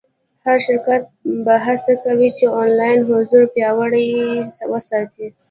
هر شرکت به هڅه کوي چې آنلاین حضور پیاوړی وساتي.